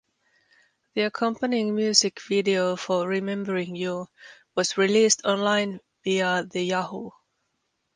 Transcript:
The accompanying music video for "Remembering You" was released online via the Yahoo!